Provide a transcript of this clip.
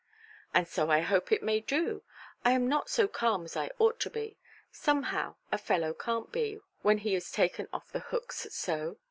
"And so I hope it may do. I am not so calm as I ought to be. Somehow a fellow canʼt be, when he is taken off the hooks so.